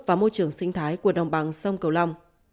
và môi trường sinh thái của đồng bằng sông cửu long